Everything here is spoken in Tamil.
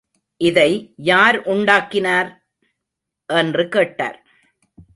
இதை யார் உண்டாக்கினார்? என்று கேட்டார்.